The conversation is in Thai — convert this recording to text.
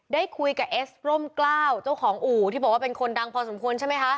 ได้คุยกับเอสร่มกล้าวเจ้าของอู่ที่บอกว่าเป็นคนดังพอสมควรใช่ไหมคะ